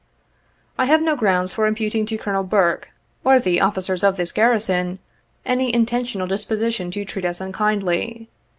I have no grounds for imputing to Colonel Burke, or the officers of this garrison, any intentional disposition to treat us unkindly.